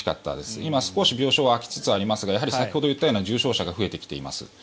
今、少し病床は空きつつありますがやはり先ほど言ったような重症者が増えてきています。